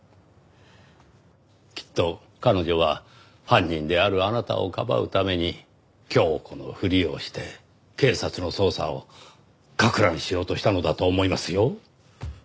きっと彼女は犯人であるあなたをかばうためにキョウコのふりをして警察の捜査をかく乱しようとしたのだと思いますよ。